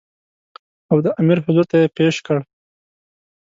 او د امیر حضور ته یې پېش کړ.